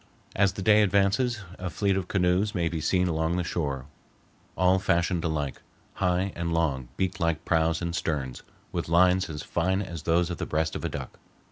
As the day advances, a fleet of canoes may be seen along the shore, all fashioned alike, high and long beak like prows and sterns, with lines as fine as those of the breast of a duck.